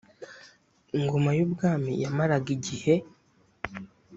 ingoma y’ ubwami yamaraga igihe.